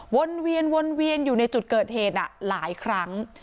วนเวียนวนเวียนอยู่ในจุดเกิดเหตุหลายครั้ง